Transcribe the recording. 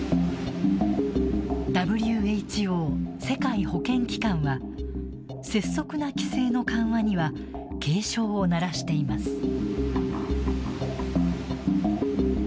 ＷＨＯ＝世界保健機関は拙速な規制の緩和には警鐘を鳴らしています。